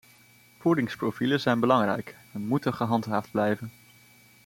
Voedingsprofielen zijn belangrijk, en moeten gehandhaafd blijven.